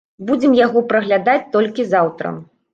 Будзем яго праглядаць толькі заўтра.